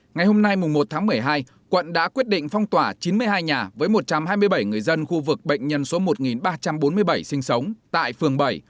ngày hôm nay một tháng một mươi hai quận đã quyết định phong tỏa chín mươi hai nhà với một trăm hai mươi bảy người dân khu vực bệnh nhân số một ba trăm bốn mươi bảy sinh sống tại phường bảy